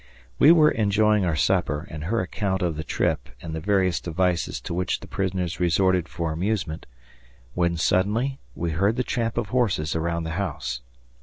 We were enjoying our supper and her account of the trip and the various devices to which the prisoners resorted for amusement, when suddenly we heard the tramp of horses around the house.